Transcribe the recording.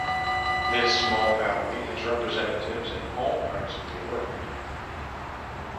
This small family has representatives in all parts of the world.